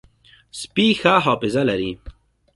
سپي ښه حافظه لري.